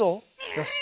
よし。